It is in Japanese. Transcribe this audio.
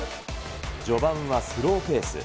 序盤はスローペース。